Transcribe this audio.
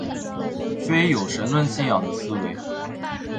非有神论信仰的思维。